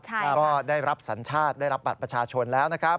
ก็ได้รับสัญชาติได้รับบัตรประชาชนแล้วนะครับ